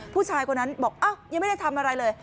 ผู้ชายคนนั้นบอกยังไม่ได้ทำอะไรเลย